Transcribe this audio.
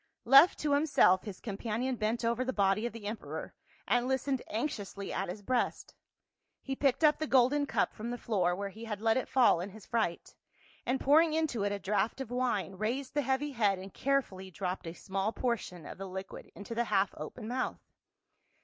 Left to himself his companion bent over the body of the emperor and listened anxiously at his breast ; he picked up the golden cup from the floor where he had let it fall in his fright, and pouring into it a draught of wine raised the heavy head and carefully dropped a small portion of the liquid into the half open mouth.